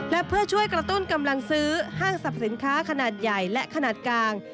และเพื่อช่วยกระตุ้นกำลังซื้อห้างสรรพสินค้าขนาดใหญ่และขนาดกลาง